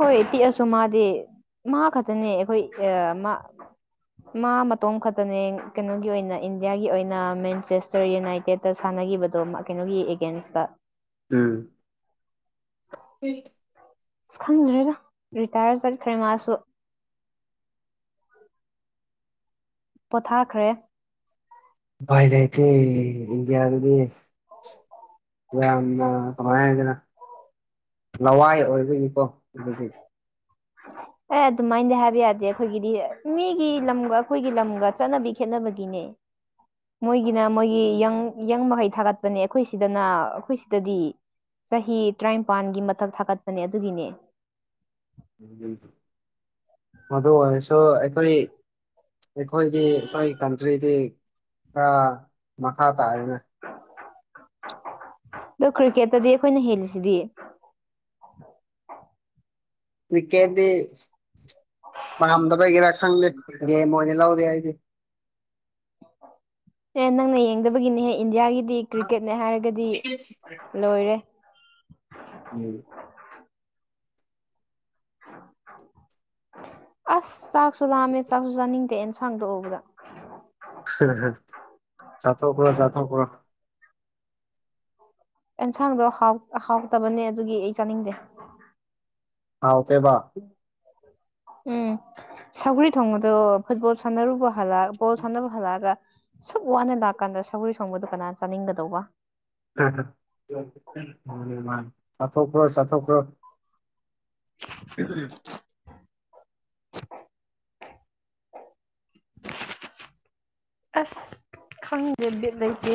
ꯍꯣꯏ ꯄꯤꯛꯑꯁꯨ ꯃꯥꯗꯤ ꯃꯥ ꯈꯛꯇꯅꯦ ꯑꯩꯈꯣꯏ ꯃꯥ ꯃꯇꯣꯝ ꯈꯛꯇꯅꯦ ꯀꯩꯅꯣꯒꯤ ꯑꯣꯏꯅ ꯏꯟꯗꯤꯌꯥꯒꯤ ꯑꯣꯏꯅ ꯃꯦꯟꯆꯦꯁ ꯔ ꯌꯨꯅꯥꯏꯇꯦꯠꯇ ꯁꯥꯟꯅꯈꯤꯕꯗꯣ ꯀꯩꯅꯣꯒꯤ ꯑꯦꯒꯦꯟꯁꯇ
ꯎꯝ ꯎꯝ
ꯑꯁ ꯈꯪꯗ꯭ꯔꯦꯗ ꯔꯤꯇꯥꯌꯔ ꯆꯠꯈ꯭ꯔꯦ ꯃꯥꯁꯨ ꯄꯣꯊꯥꯈ꯭ꯔꯦ
ꯥꯏꯜꯥꯏꯇꯩ ꯏꯟꯗꯤꯌꯥꯗꯤ ꯌꯥꯝꯅ ꯀꯃꯥꯏꯅꯗꯅ ꯂꯋꯥꯏ ꯑꯣꯏꯕꯒꯤꯀꯣ
ꯑ
[INAUDIBLE]
ꯑꯦ ꯑꯗꯨꯃꯥꯏꯅꯗꯤ ꯍꯥꯏꯕ ꯌꯥꯗꯦ ꯑꯩꯈꯣꯏꯒꯤꯗꯤ ꯃꯤꯒꯤ ꯂꯝꯒ ꯑꯩꯈꯣꯏꯒꯤ ꯂꯝꯒ ꯆꯠꯅꯕꯤ ꯈꯦꯠꯅꯕꯒꯤꯅꯦ ꯃꯣꯏꯒꯤꯅ ꯃꯣꯏꯒꯤꯪ ꯌꯪ ꯃꯍꯩ ꯊꯥꯒꯠꯄꯅꯦ ꯑꯩꯈꯣꯏ ꯁꯤꯗꯅ ꯑꯩꯈꯣꯏ ꯁꯤꯗꯗꯤ ꯆꯍꯤ ꯇꯔꯥꯅꯤꯄꯥꯜꯒꯤ ꯃꯊꯛ ꯊꯥꯒꯠꯄꯅꯦ ꯑꯗꯨꯒꯤꯅꯦ
ꯃꯗꯨ ꯑꯣꯏ ꯁꯣ ꯑꯩꯈꯣꯏ ꯑꯩꯈꯣꯏꯗꯤ ꯑꯩꯈꯣꯏꯒꯤ ꯀꯟꯇ꯭ꯔꯤꯗꯤ ꯈꯔ ꯃꯈꯥ ꯇꯥꯔꯦꯅꯦ
ꯑꯗꯣ ꯀ꯭ꯔꯤꯀꯦꯠꯇꯗꯤ ꯑꯩꯈꯣꯏꯅ ꯍꯦꯜꯂꯤꯁꯤꯗꯤ
ꯀ꯭ꯔꯤꯀꯦꯠꯇꯤ ꯄꯥꯝꯗꯕꯒꯤꯦꯔꯥ ꯈꯪꯗꯦ ꯒꯦꯝ ꯑꯣꯏꯅ ꯂꯧꯗꯦ ꯍꯥꯏꯗꯤ
ꯑꯦ ꯅꯪꯅ ꯌꯦꯡꯗꯕꯒꯤꯅꯦꯍꯦ ꯏꯟꯗꯤꯌꯥꯒꯤꯗꯤ ꯀ꯭ꯔꯤꯛꯀꯦꯠꯅꯦ ꯍꯥꯏꯔꯒꯗꯤ ꯂꯣꯏꯔꯦ
ꯎꯝ
ꯑꯁ ꯆꯥꯛꯁꯨ ꯂꯥꯝꯃꯦ ꯆꯥꯛꯁꯨ ꯆꯥꯅꯤꯡꯗꯦ ꯑꯦꯟꯁꯥꯡꯗꯣꯛ ꯎꯕꯗ
ꯆꯥꯊ ꯄꯨꯔꯣ ꯆꯊ ꯀ
ꯑꯦꯟꯁꯥꯡꯗꯣ ꯍꯥꯎꯇꯕꯅꯦ ꯑꯗꯨꯒꯤ ꯑꯩ ꯆꯥꯅꯤꯡꯗꯦ
ꯍꯥꯎ ꯇꯕ
ꯎꯝ ꯁꯒꯔꯤ ꯊꯣꯡꯕꯗꯣ ꯐꯨꯠꯕꯣꯜ ꯁꯥꯟꯅꯔꯨꯕ ꯍꯜꯂ ꯕꯣꯜ ꯁꯥꯟꯅꯕ ꯍꯜꯂꯛꯑꯒ ꯁꯨꯛ ꯋꯥꯅ ꯂꯥꯛꯀꯥꯟꯗ ꯁꯒꯔꯤ ꯁꯪꯕꯗꯨꯣ ꯀꯅꯥ ꯆꯥꯅꯤꯡꯒꯗꯧꯕ
ꯆꯥꯊꯣꯛꯈ꯭ꯔꯣ ꯆꯠꯊꯣꯛꯈ꯭ꯔꯣ ꯎ
[INAUDIBLE] ꯑꯁ ꯈꯪꯗꯕ ꯂꯩꯇ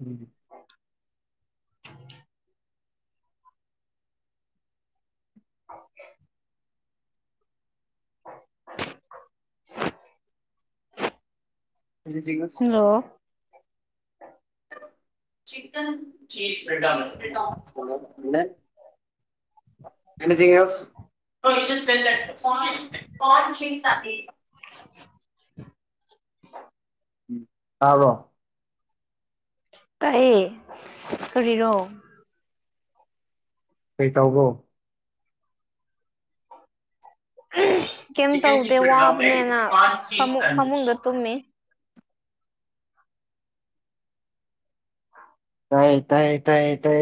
ꯎꯝ ꯑꯗꯨ ꯁꯤꯒꯁ
ꯍꯜꯂꯣ
ꯆꯟ ꯆ꯭ꯔꯦꯅꯦꯣ [INAUDIBLE]
[INAUDIBLE]
ꯇꯥꯕꯣ
ꯀꯥꯏꯑꯦ ꯁꯔꯤꯔꯣ
ꯀꯩ ꯇꯕꯣ
ꯀꯩꯝ ꯇꯧꯗꯦ ꯋꯥꯕꯅꯦꯅ ꯐꯃꯨꯡ ꯐꯃꯨꯡꯗ ꯇꯨꯝꯃꯤ
ꯇꯥꯏ ꯇꯥꯏ ꯇꯥꯏ ꯇ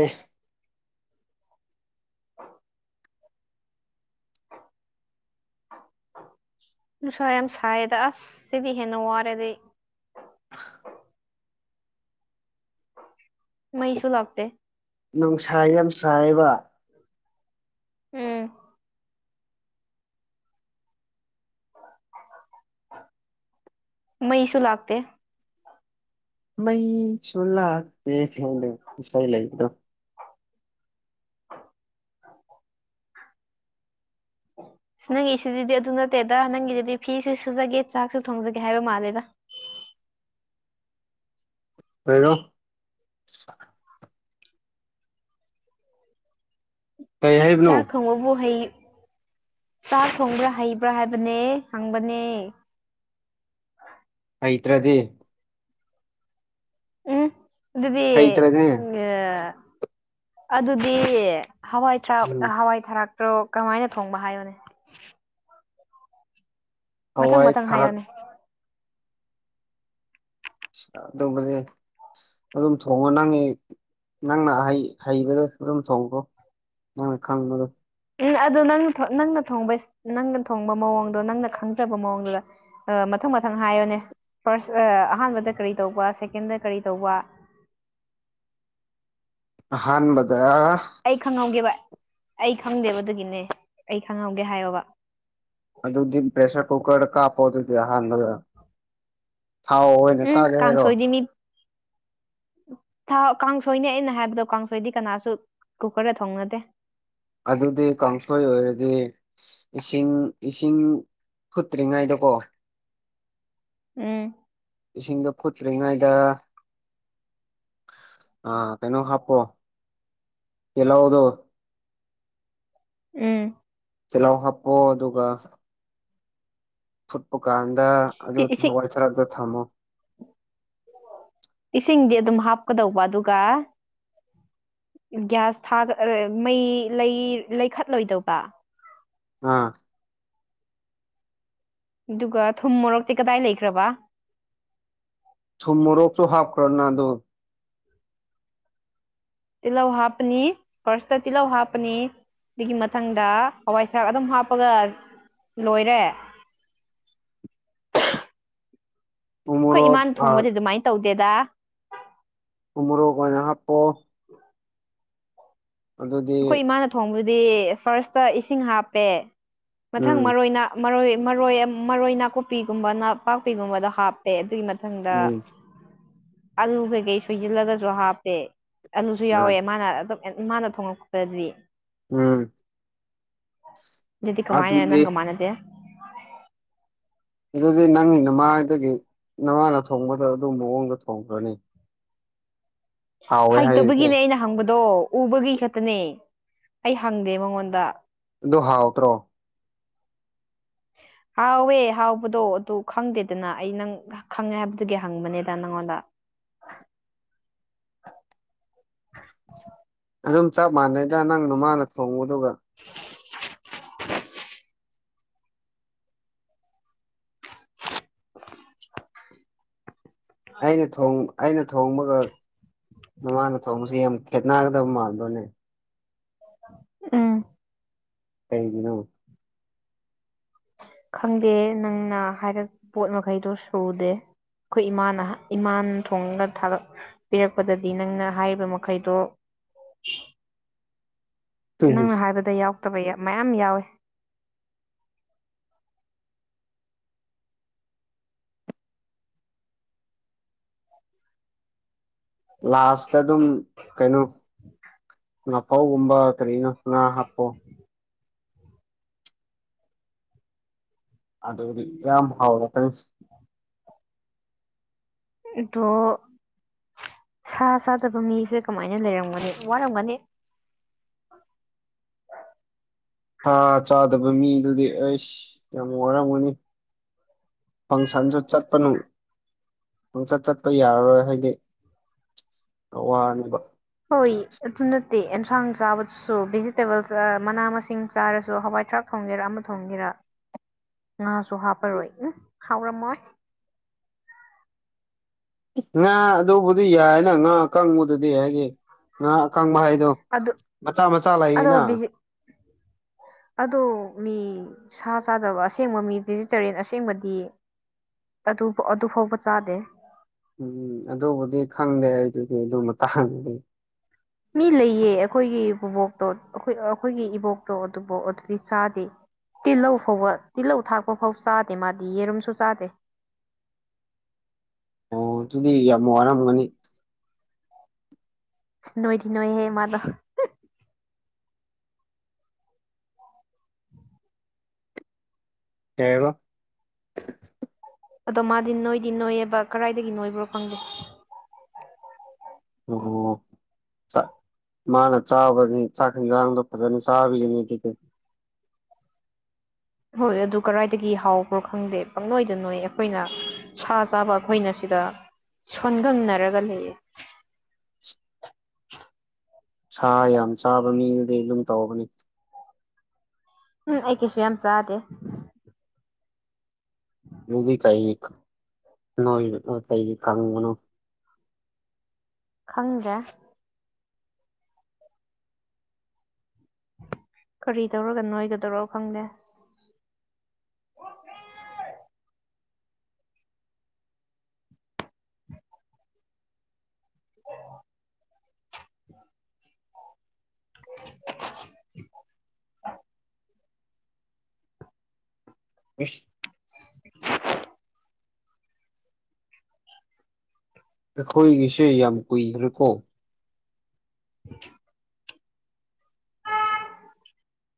ꯅꯨꯡꯁ ꯌꯥꯝ ꯁꯥꯏꯗ ꯑꯁ ꯁꯤꯗꯤ ꯍꯦꯟꯅ ꯋꯥꯔꯦꯗꯤ
ꯑ
ꯃꯩꯁꯨꯨ ꯂꯥꯛꯇ
ꯅꯨꯡꯁꯥꯏ ꯌꯥꯝꯁꯥꯏꯕ
ꯎꯝ ꯃꯩꯁꯨ ꯂꯥꯛꯇ
ꯃꯩ ꯁꯣꯂꯥꯛ ꯀꯦꯗ ꯉꯁꯥꯏ ꯂꯩꯗꯣ
ꯅꯪꯒꯤꯁꯨꯗꯨꯗꯤ ꯑꯗꯨ ꯅꯠꯇꯦꯗ ꯅꯪꯒꯤꯗꯨꯗꯤ ꯐꯤꯁꯨ ꯁꯨꯖꯒꯦ ꯆꯥꯛꯁꯨ ꯊꯣꯡꯖꯒꯦ ꯍꯥꯏꯕ ꯃꯥꯜꯂꯦꯒ
ꯍꯔꯣ ꯀꯩ ꯍꯥꯏꯕꯅꯣ
ꯆꯈꯉꯕꯍꯩ ꯆꯥꯛ ꯊꯣꯡꯕ꯭ꯔꯥ ꯍꯩꯕ꯭ꯔꯥ ꯍꯥꯏꯕꯅꯦ ꯍꯪꯕꯅꯦ
ꯍꯩꯇ꯭ꯔꯗꯤ
ꯎꯝ ꯑꯗꯨꯗꯤ
ꯍꯩꯇ꯭ꯔꯗꯤ
ꯑꯦ ꯑꯗꯨꯗꯤ ꯍꯋꯥꯏ ꯊ꯭ꯔꯥꯛ
ꯎꯝ
ꯍꯋꯥꯏ ꯊꯔꯥꯛ ꯄ꯭ꯔꯣ ꯀꯃꯥꯏꯅ ꯊꯣꯡꯕ ꯍꯥꯏꯌꯨꯅꯦ ꯃꯊꯪ
ꯍꯋꯥꯏ
ꯃꯊꯪ
ꯊꯔꯥꯛ
ꯍꯥꯏꯌꯨꯅꯦ
[UNINTELLIGIBLE] ꯑꯗꯨꯝ ꯊꯣꯡꯉꯣ ꯅꯪꯒꯤ ꯅꯪꯅ ꯍꯩ ꯍꯩꯕꯗꯣ ꯑꯗꯨꯝ ꯊꯣꯡꯈꯣ ꯅꯪꯅ ꯈꯪꯕꯗꯣ
ꯎꯝ ꯑꯗꯣ ꯅꯪꯅ ꯅꯪꯅ ꯊꯕ ꯏꯁ ꯅꯪꯅ ꯊꯣꯡꯕ ꯃꯑꯣꯡꯗꯣ ꯅꯪꯅ ꯈꯪꯖꯕ ꯃꯑꯣꯡꯗꯨꯗ ꯑꯥ ꯃꯊꯪ ꯃꯊꯪ ꯍꯥꯏꯌꯨꯅꯦ ꯐꯥꯔꯁ ꯑꯍꯥꯟꯕꯗ ꯀꯔꯤ ꯇꯧꯕ ꯁꯦꯀꯦꯟꯗ ꯀꯔꯤ ꯇꯧꯕ
ꯑꯍꯥꯟꯕꯗ
ꯑꯩ ꯈꯪꯍꯧꯒꯦꯕ ꯑꯩ ꯈꯪꯗꯦꯕ ꯑꯗꯨꯒꯤꯅꯦ ꯑꯩ ꯈꯪꯍꯧꯒꯦ ꯍꯥꯏꯌꯣꯕ
ꯑꯗꯨꯗꯤ ꯄ꯭ꯔꯦꯁꯔ ꯀꯨꯀꯔꯗ ꯀꯥꯞꯄꯣ ꯑꯗꯨꯒ ꯑꯍꯥꯟꯕꯗ ꯊꯥꯎ ꯑꯦ
ꯎꯝ ꯀꯥꯟꯁꯣꯏꯗꯤꯃꯤ
[INAUDIBLE]
ꯊꯥꯎ ꯀꯥꯡꯁꯣꯏꯅꯦ ꯑꯩꯅ ꯍꯥꯏꯕꯗꯣ ꯀꯥꯡꯁꯣꯏꯗꯤ ꯀꯅꯥꯁꯨ ꯀꯨꯀꯔꯗ ꯊꯣꯡꯅꯗꯦ
ꯑꯗꯨꯗꯤ ꯀꯥꯡꯁꯣꯏ ꯑꯣꯏꯔꯗꯤ ꯏꯁꯤꯡ ꯏꯁꯤꯡ ꯐꯨꯠꯇ꯭ꯔꯤꯉꯩꯗꯀꯣ
ꯎꯝ
ꯏꯁꯤꯡꯗꯣ ꯐꯨꯠꯇ꯭ꯔꯤꯉꯩꯗ ꯑꯥ ꯀꯩꯅꯣ ꯍꯥꯞꯄꯣ ꯇꯤꯜꯍꯧꯗꯣ
ꯎꯝ
ꯇꯤꯜꯍꯧ ꯍꯥꯞꯄꯣ ꯑꯗꯨꯒ ꯐꯨꯠꯄꯀꯥꯟꯗ ꯑꯗꯨ
ꯏꯁꯤꯡ
ꯍꯋꯥꯏꯊꯔꯥꯛꯇꯣ ꯊꯝꯃꯣ
ꯏꯁꯤꯡꯗꯤ ꯑꯗꯨꯝ ꯍꯥꯞꯀꯗꯧꯕ ꯑꯗꯨꯒ ꯒ꯭ꯌꯥꯁ ꯊꯥ ꯃꯩ ꯂꯩ ꯂꯩꯈꯠꯂꯣꯏꯗꯧꯕ
ꯑꯥ
ꯑꯗꯨꯒ ꯊꯨꯝ ꯃꯣꯔꯣꯛꯛꯇꯤ ꯀꯗꯥꯏ ꯂꯩꯈ꯭ꯔꯕ
ꯊꯨꯝ ꯃꯣꯔꯣꯛꯁꯨ ꯍꯥꯞꯈ꯭ꯔꯣꯅꯗꯣ
ꯇꯤꯜꯍꯧ ꯍꯥꯞꯄꯅꯤ ꯐꯥꯔꯁꯇꯥ ꯇꯤꯜꯍꯧ ꯍꯥꯞꯄꯅꯤ ꯁꯤꯒꯤ ꯃꯊꯪꯗ ꯍꯋꯥꯏ ꯊꯔꯥꯛ ꯑꯗꯨꯝ ꯍꯥꯞꯄꯒ ꯂꯣꯏꯔꯦ
ꯎ
ꯈꯣꯏ
ꯃꯣꯔꯣꯛ
ꯏꯃꯥꯅ
ꯑ
ꯊꯣꯡꯕꯗꯤ ꯑꯗꯨꯃꯥꯏꯅ ꯇꯧꯗꯦꯗ
ꯎꯃꯣꯔꯣꯛ ꯑꯣꯏꯅ ꯍꯥꯞ ꯑꯗꯨꯗꯤ
ꯑꯩꯈꯣꯏ ꯏꯃꯥꯅ ꯊꯣꯡꯕꯗꯤ ꯐꯥꯔꯁꯇ ꯏꯁꯤꯡ ꯍꯥꯞꯄꯦ ꯃꯊꯪ
ꯎꯝ
ꯃꯔꯣꯏꯅ ꯃꯔꯣꯏ ꯃꯔꯣꯏ ꯃꯔꯣꯏ ꯅꯥꯀꯨꯞꯄꯤꯒꯨꯝꯕ ꯅꯄꯥꯛꯄꯤꯒꯨꯝꯕꯗꯣ ꯍꯥꯞ- ꯄꯦ ꯑꯗꯨꯒꯤ ꯃꯊꯪꯗ
ꯎꯝ
ꯑꯂꯨ ꯀꯩꯀꯩ ꯁꯣꯏꯁꯤꯜꯂꯒꯁꯨ ꯍꯥꯞꯄꯦ ꯑꯂꯨꯁꯨ
ꯑ
ꯌꯥꯎꯋꯦ ꯃꯥꯅ ꯑꯗꯨꯝ ꯃꯥꯅ ꯊꯣꯡꯉꯛꯄꯗꯗꯤ
ꯎꯝ
ꯑꯗꯨꯗꯤ ꯀꯃꯥꯏꯅ ꯅꯪꯒ ꯃꯥꯟꯅꯗꯦ
ꯑꯗꯨꯗꯤ ꯅꯪꯒꯤ ꯅꯃꯥꯗꯒꯤ ꯅꯃꯥꯅ ꯊꯣꯡꯕꯗꯣ ꯑꯗꯨ ꯃꯑꯣꯡꯗ ꯊꯣꯡꯈ꯭ꯔꯅꯤ ꯍꯥꯎꯋꯦ ꯍꯥꯏꯔꯗꯤ
ꯍꯩꯇꯕꯒꯤꯅꯦ ꯑꯩꯅ ꯍꯪꯕꯗꯣ ꯎꯕꯒꯤ ꯈꯛꯇꯅꯦ ꯑꯩ ꯍꯪꯗꯦ ꯃꯉꯣꯟꯗ
ꯑꯗꯨ ꯍꯥꯎꯇ꯭ꯔꯣ
ꯍꯥꯎꯋꯦ ꯍꯥꯎꯕꯗꯣ ꯑꯗꯣ ꯈꯪꯗꯦꯗꯅ ꯑꯩ ꯅꯪ ꯈꯪꯉꯦ ꯍꯥꯏꯕꯗꯨꯒꯤ ꯍꯪꯕꯅꯤꯗ ꯅꯪꯉꯣꯟꯗ
ꯑꯗꯨꯝ ꯆꯞ ꯃꯥꯟꯅꯩꯗ ꯅꯪꯗꯨ ꯃꯥꯅ ꯊꯣꯡꯉꯨꯗꯨꯒ
[UNINTELLIGIBLE] [UNINTELLIGIBLE]
ꯑꯩꯅ ꯊꯣꯡ ꯑꯩꯅ ꯊꯣꯡꯕꯒ ꯅꯃꯥꯅ ꯊꯣꯡꯕꯁꯦ ꯌꯥꯝ ꯈꯦꯠꯅꯒꯗꯕ ꯃꯥꯟꯕ꯭ꯔꯥꯅꯦ
ꯎꯝ
ꯀꯩꯒꯤꯅꯣ
ꯈꯪꯗꯦ ꯅꯪꯅ ꯍꯥꯏꯔꯛ ꯄꯣꯠ ꯃꯈꯩꯗꯣ ꯁꯨꯗꯦ ꯑꯩꯈꯣꯏ ꯏꯃꯥꯅꯍ ꯏꯃꯥꯟ ꯊꯣꯡꯉꯒ ꯊꯥꯗꯛ ꯄꯤꯔꯛꯄꯗꯗꯤ ꯅꯪꯅ ꯍꯥꯏꯔꯤꯕ ꯃꯈꯩꯗꯣ
[INAUDIBLE]
ꯅꯪꯅ ꯍꯥꯏꯕꯗ ꯌꯥꯎꯛꯇꯕ ꯃꯌꯥꯝ ꯌꯥꯎꯋꯤ
ꯂꯥꯁꯇ ꯑꯗꯨꯝ ꯀꯩꯅꯣ ꯃꯐꯧꯒꯨꯝꯕ ꯀꯔꯤꯅꯣ ꯉꯥ ꯍꯥꯞꯄꯣ ꯑꯗꯨꯗꯤ ꯌꯥꯝ ꯍꯥꯎꯔꯛꯀꯅꯤ
ꯑꯗꯣ ꯁꯥ ꯆꯗꯕ ꯃꯤꯁꯦ ꯀꯃꯥꯏꯅ ꯂꯩꯔꯝꯒꯅꯤ ꯋꯥꯔꯝꯒꯅꯤ
ꯍꯥꯥ ꯆꯥꯗꯕ ꯃꯤꯗꯨꯗꯤ ꯑꯩꯁ ꯌꯥꯝ ꯋꯥꯔꯝꯒꯅꯤ ꯐꯪꯁꯟꯁꯨ ꯆꯠꯄꯅꯨ ꯄꯪꯆꯠ ꯆꯠꯄ ꯌꯥꯔꯔꯣꯏ ꯍꯥꯏꯗꯤ ꯋꯥꯅꯦꯕ
ꯍꯣꯏ ꯑꯗꯨ ꯅꯠꯇꯦ ꯑꯦꯟꯁꯥꯡ ꯆꯥꯕꯗꯁꯨ ꯚꯤꯖꯤꯇꯦꯕꯜꯁ ꯃꯅꯥ ꯃꯁꯤꯡ ꯆꯥꯔꯁꯨ ꯍꯋꯥꯏ ꯊꯔꯥꯛ ꯊꯣꯡꯒꯦꯔꯥ ꯑꯃ ꯊꯣꯡꯒꯦꯔꯥ
[INAUDIBLE]
ꯉꯥꯁꯨ ꯍꯥꯞꯄꯔꯣꯏ ꯎꯝ ꯍꯥꯎꯔꯝꯃꯣꯏ
ꯉꯥ ꯑꯗꯨꯕꯨꯗꯤ ꯌꯥꯏꯅ ꯉꯥ ꯑꯀꯪꯕꯗꯨꯗꯤ ꯍꯥꯏꯗꯤ ꯉꯥ ꯑꯀꯪꯕ ꯍꯥꯏ ꯑꯗꯣ
ꯑꯗꯨ
ꯃꯆꯥ ꯃꯆꯥ
ꯑꯗꯣ
ꯂꯩꯅ
ꯚꯤꯖꯤ ꯑꯗꯣ ꯃꯤ ꯁꯥ ꯆꯥꯗꯕ ꯑꯁꯦꯡꯕ ꯃꯤ ꯚꯦꯖꯤꯇꯦꯔꯤꯌꯟ ꯑꯁꯦꯡꯕꯗꯤ ꯑꯗꯨ ꯑꯗꯨ ꯐꯥꯎꯕ ꯆꯥꯗꯦ
ꯎꯝ ꯑꯗꯨꯕꯨꯗꯤ ꯈꯪꯗꯦ ꯑꯩꯗꯨꯗꯤ ꯑꯗꯨ ꯃꯇꯥꯡꯗꯤ
ꯃꯤ ꯂꯩꯌꯦ ꯑꯩꯈꯣꯏꯒꯤ ꯄꯨꯕꯣꯛꯇꯣ ꯑꯩꯈꯣꯏꯒꯤ ꯏꯕꯣꯛꯇꯣ ꯑꯗꯨꯕꯨ ꯑꯗꯨꯗꯤ ꯆꯥꯗꯦ ꯇꯤꯜꯍꯧ ꯐꯥꯎꯕ ꯇꯤꯜꯍꯧ ꯊꯥꯛꯄ ꯐꯥꯎ ꯆꯥꯗꯦ ꯃꯥꯗꯤ ꯌꯦꯔꯨꯝꯁꯨ ꯆꯥꯗꯦ
ꯑꯗꯨꯨꯗꯤ ꯌꯥꯝ ꯋꯥꯔꯝꯒꯅꯤ
ꯅꯣꯏꯗꯤ ꯅꯣꯏꯍꯦ ꯃꯥꯗꫭ
ꯀꯩ ꯍꯥꯏꯕ
ꯑꯗꯣ ꯃꯥꯗꯤ ꯅꯣꯏꯗꯤ ꯅꯣꯏꯌꯦꯕ ꯀꯗꯥꯏꯗꯒꯤ ꯅꯣꯏꯕ꯭ꯔꯣ ꯈꯪꯗꯦ
ꯑꯣ ꯆꯥꯛ ꯃꯥꯅ ꯆꯥꯕꯅꯤ ꯆꯥꯛ ꯏꯟꯖꯥꯡꯗꯣ ꯐꯖꯅ ꯆꯥꯕꯤꯔꯤꯅꯤ ꯑꯗꯨꯗꯤ
ꯍꯣꯏ ꯑꯗꯨ ꯀꯗꯥꯏꯗꯒꯤ ꯍꯥꯎꯕ꯭ꯔꯣ ꯈꯪꯗꯦ ꯄꯪꯪꯅꯣꯏꯗꯅꯣꯏ ꯑꯩꯈꯣꯏꯅ ꯁꯥ ꯆꯥꯕ ꯑꯩꯈꯣꯏꯅ ꯁꯤꯗ ꯁꯣꯟꯒꯪꯅꯔꯒ ꯂꯩꯌꯦ
ꯁꯥ ꯌꯥꯝ ꯆꯥꯕ ꯃꯤꯗꯨꯗꯤ ꯑꯗꯨꯝ ꯇꯧꯕꯅꯤ
ꯎꯝ ꯑꯩ ꯀꯩꯁꯨ ꯌꯥꯝ ꯆꯥꯗꯦ
ꯗꯨꯗꯤ ꯀꯩꯒꯤ ꯅꯣꯏ ꯀꯩꯒꯤ ꯀꯪꯕꯅꯣ
ꯈꯪꯗ꯭ꯔꯦ ꯀꯔꯤ ꯇꯧꯔꯒ ꯅꯣꯏꯒꯗꯧꯔꯣ ꯈꯪꯗꯦ [INAUDIBLE] [INAUDIBLE]
ꯏꯁ ꯑꯩꯈꯣꯏꯒꯤꯁꯦ ꯌꯥꯝ ꯀꯨꯏꯒ꯭ꯔꯦꯀꯣ
[INAUDIBLE]